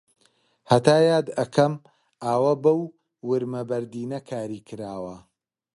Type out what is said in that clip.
هەتا یاد ئەکەم ئاوە بەو ورمە بەردینە کاری کراوە